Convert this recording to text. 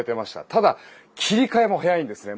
ただ、切り替えも早いんですね。